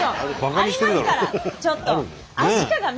ちょっと！